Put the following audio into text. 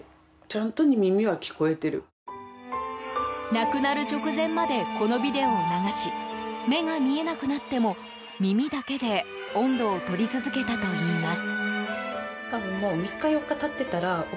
亡くなる直前までこのビデオを流し目が見えなくなっても耳だけで音頭をとり続けたといいます。